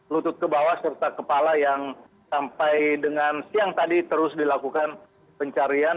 lutut ke bawah serta kepala yang sampai dengan siang tadi terus dilakukan pencarian